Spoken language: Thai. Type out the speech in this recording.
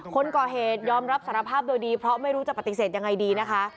คนก่อเหตุยอมรับสารภาพโดยดีเพราะไม่รู้จะปฏิเสธยังไงดีนะคะ